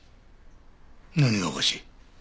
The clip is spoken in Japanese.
何がおかしい？